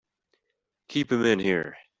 Keep him in here!